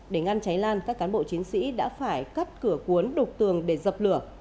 để ngăn cháy lan các cán bộ chiến sĩ đã phải cắt cửa cuốn đục tường để dập lửa